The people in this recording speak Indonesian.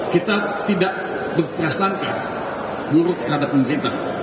kita tidak berprasangka buruk terhadap pemerintah